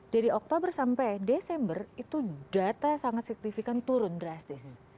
dari oktober sampai desember itu data sangat signifikan turun drastis